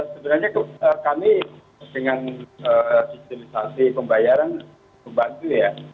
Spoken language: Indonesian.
sebenarnya kami dengan digitalisasi pembayaran membantu ya